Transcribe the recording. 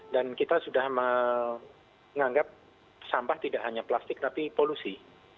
dan kita sudah menganggap sampah tidak hanya plastik tapi polusi